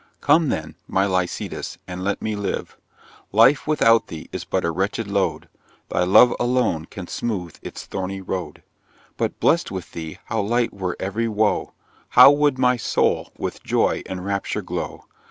Come then, my Lycidas, and let me live; Life without thee is but a wretched load, Thy love alone can smooth its thorny road; But blest with thee, how light were every woe; How would my soul with joy and rapture glow!